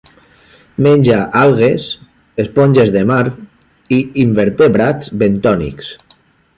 Menja algues, esponges de mar i invertebrats bentònics.